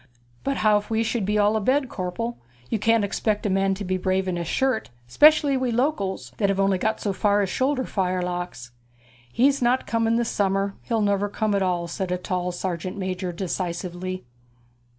'But how if we should be all abed, corpel? You can't expect a man to be brave in his shirt, especially we Locals, that have only got so far as shoulder fire locks.' 'He's not coming this summer. He'll never come at all,' said a tall sergeant major decisively.